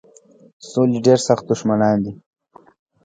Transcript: سولي ډېر سخت دښمنان دي.